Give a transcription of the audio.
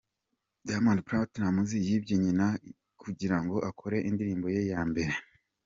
Diamond Platinumz yibye nyina kugirango akore indirimbo ye ya mbere